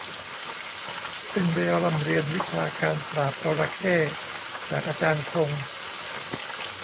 ซึ่งได้ร่ำเรียนวิชาการปราบจระเข้จากอาจารย์คง